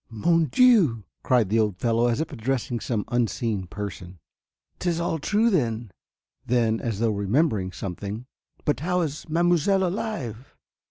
"Mon Dieu," cried the old fellow as if addressing some unseen person. "'Tis all true then " Then, as though remembering something "but how is mademoiselle alive?"